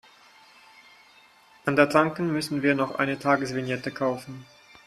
An der Tanke müssen wir noch eine Tagesvignette kaufen.